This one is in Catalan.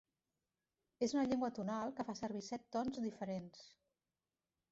És una llengua tonal que fa servir set tons diferents.